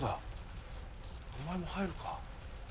お前も入るか？